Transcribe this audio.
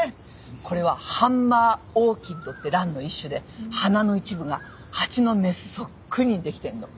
これはハンマーオーキッドってランの一種で花の一部がハチのメスそっくりにできてるの。